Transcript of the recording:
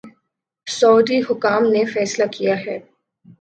سعودی حکام نے فیصلہ کیا ہے